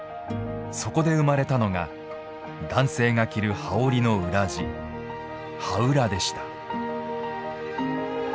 そこで生まれたのが男性が着る羽織の裏地羽裏でした。